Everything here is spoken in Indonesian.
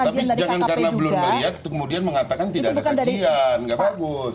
tapi jangan karena belum melihat kemudian mengatakan tidak ada kajian nggak bagus